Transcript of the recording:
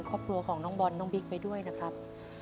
ครอบครัวของน้องบอลน้องบิ๊กไปด้วยนะครับ